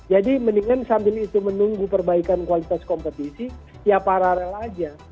jadi mendingan sambil itu menunggu perbaikan kualitas kompetisi ya paralel aja